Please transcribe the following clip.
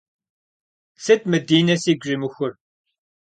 Сыт мы Динэ сигу щӏимыхур?